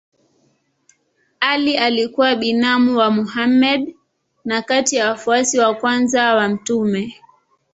Ali alikuwa binamu wa Mohammed na kati ya wafuasi wa kwanza wa mtume.